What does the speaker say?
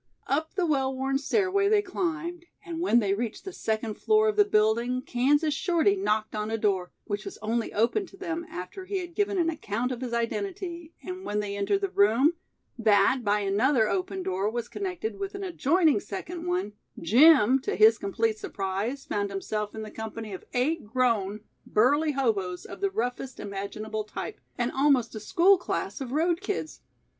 Up the well worn stairway they climbed and when they reached the second floor of the building Kansas Shorty knocked on a door, which was only opened to them after he had given an account of his identity, and when they entered the room, that by another open door was connected with an adjoining second one, Jim, to his complete surprise found himself in the company of eight grown, burly hoboes of the roughest imaginable type and almost a school class of road kids.